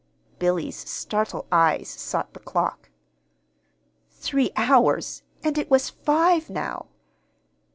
Billy's startled eyes sought the clock. Three hours and it was five, now!